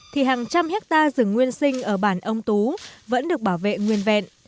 thì hàng trăm hectare rừng nguyên sinh ở bản âm tú vẫn được bảo vệ nguyên vẹn